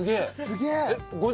すげえ！